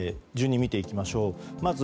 順に見ていきましょう。